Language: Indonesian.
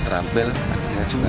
rampel makinnya juga